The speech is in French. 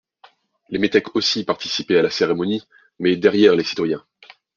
Les métèques aussi participaient à la cérémonie, mais derrière les citoyens.